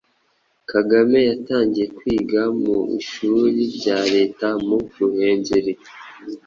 Kagame yatangiye kwiga mu ishuri rya Leta mu Ruhengeri.